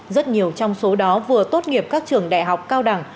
rất nhiều trong số đó vừa tốt nghiệp các trường đại học cao đẳng